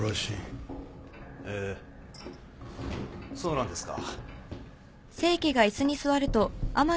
へえそうなんですか。